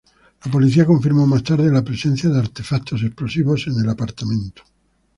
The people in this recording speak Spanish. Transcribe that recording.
La policía confirmó más tarde la presencia de artefactos explosivos en el apartamento.